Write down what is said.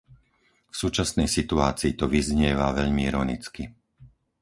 V súčasnej situácii to vyznieva veľmi ironicky.